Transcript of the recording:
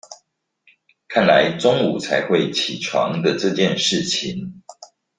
看來中午才會起床的這件事情